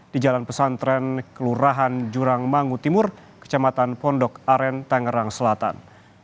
di jalan pesantren kelurahan jurangmangu timur kecamatan pondok aren tangerang selatan